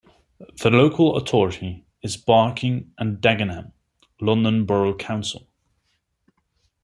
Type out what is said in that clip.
The local authority is Barking and Dagenham London Borough Council.